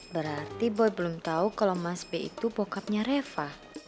berarti boy belum tau kalo mas be itu bokapnya reva